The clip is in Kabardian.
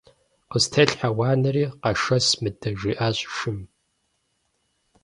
- Къыстелъхьэ уанэри, къэшэс мыдэ! - жиӏащ шым.